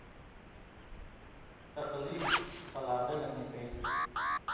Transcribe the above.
تقلید قلادہ نہ نِکئ تُھو